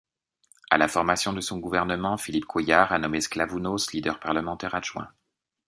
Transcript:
À la formation de son gouvernement, Philippe Couillard a nommé Sklavounos leader parlementaire adjoint.